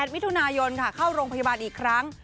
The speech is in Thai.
มิถุนายนเข้าโรงพยาบาลอีกครั้ง